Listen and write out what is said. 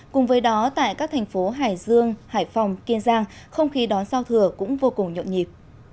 cùng với đó tại các thành phố hải dương hải phòng kiên giang không khí đón giao thừa cũng vô cùng nhộn nhịp